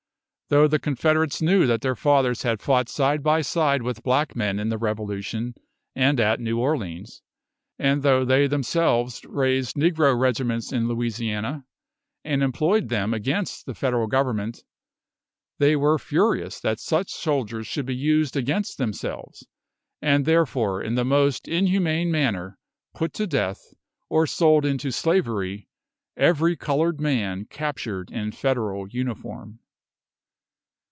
Though the Confederates knew that their fathers had fought side by side with black men in the Revolution and at New Orleans, and though they themselves raised negro regiments in Louisiana, and employed them against the Federal Government, they were furious that such soldiers should be used against themselves, and therefore in the most inhuman manner put to death, or sold into slavery, every coloured man captured in Federal uniform.